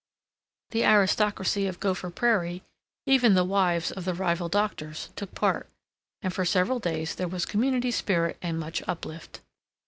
The aristocracy of Gopher Prairie, even the wives of the rival doctors, took part, and for several days there was community spirit and much uplift.